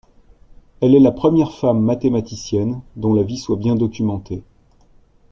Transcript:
Elle est la première femme mathématicienne dont la vie soit bien documentée.